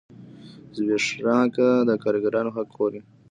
زبېښاک د کارګرانو حق خوري.